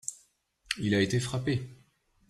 Il a été frappé.